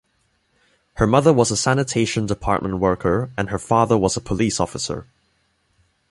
Her mother was a sanitation department worker and her father was a police officer.